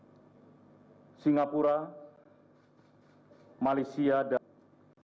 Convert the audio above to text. seperti singapura malaysia dan indonesia